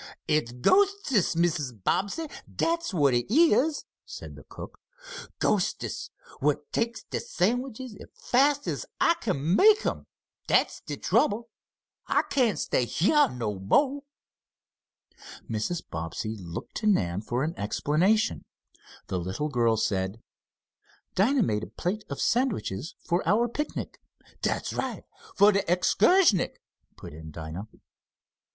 "It's ghostests, Mrs. Bobbsey dat's what it is," said the cook. "Ghostests what takes de sandwiches as fast as I make 'em dat's de trouble. I can't stay heah no mo'!" Mrs. Bobbsey looked to Nan for an explanation. The little girl said: "Dinah made a plate of sandwiches for our picnic " "Dat's right, for de excursnick," put in Dinah.